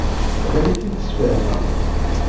Ad am-t-id-sfehmeɣ.